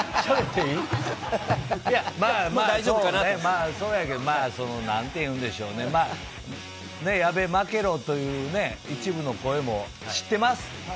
いや、まあまあ、そうやけどね、なんていうんでしょうね、まあ、ね、矢部、負けろというね、一部の声も知ってます。